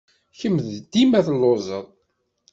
Kemm dima telluẓed!